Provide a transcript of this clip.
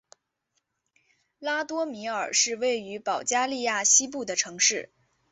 拉多米尔是位于保加利亚西部的城市。